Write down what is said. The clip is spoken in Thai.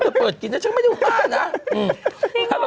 เธอเปิดกินนะฉันไม่ได้ว่านะ